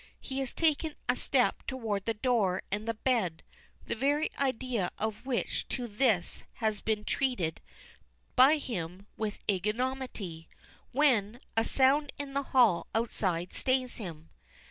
He has taken a step toward the door and the bed, the very idea of which up to this has been treated by him with ignominy, when a sound in the hall outside stays him.